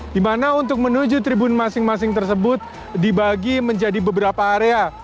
di mana untuk menuju tribun masing masing tersebut dibagi menjadi beberapa area